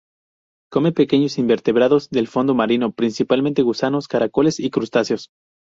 Come pequeños invertebrados del fondo marino, principalmente gusanos, caracoles y crustáceos.